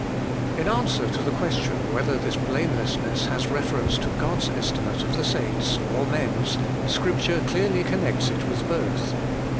In answer to the question as to whether this blame lessness has reference to God's estimate of the saints or men's, Scripture clearly connects it with both.